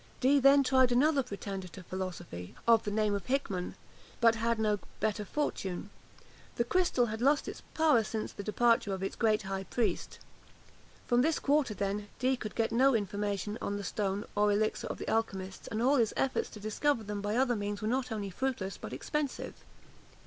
Dee then tried another pretender to philosophy, of the name of Hickman, but had no better fortune. The crystal had lost its power since the departure of its great high priest. From this quarter, then, Dee could get no information on the stone or elixir of the alchymists, and all his efforts to discover them by other means were not only fruitless but expensive.